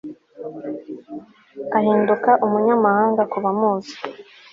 Ahinduka umunyamahanga kubamuzi